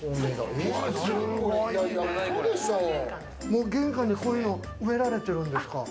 もう玄関にこういうの植えられてるんですか？